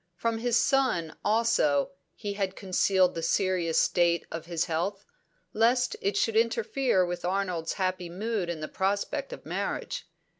From his son, also, he had concealed the serious state of his health, lest it should interfere with Arnold's happy mood in prospect of marriage.